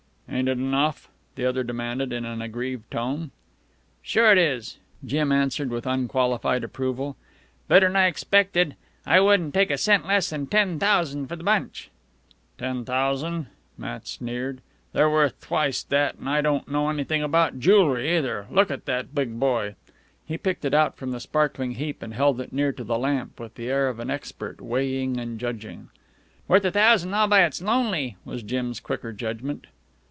"Ain't it enough?" the other demanded in an aggrieved tone. "Sure it is," Jim answered with unqualified approval. "Better'n I expected. I wouldn't take a cent less than ten thousan' for the bunch." "Ten thousan'," Matt sneered. "They're worth twic't that, an' I don't know anything about joolery, either. Look at that big boy!" He picked it out from the sparkling heap and held it near to the lamp with the air of an expert, weighing and judging. "Worth a thousan' all by its lonely," was Jim's quicker judgment.